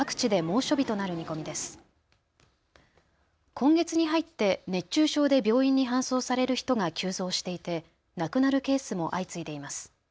今月に入って熱中症で病院に搬送される人が急増していて亡くなるケースも相次いでいます。